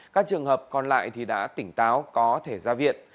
các trường hợp còn lại đã tỉnh táo có thể ra viện